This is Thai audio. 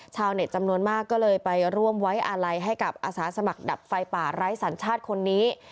ชาวเน็ตจำนวนมากก็เลยไปร่วมไว้อาลัยให้กับอาสาสมัครดับไฟป่าไร้สัญชาติคนนี้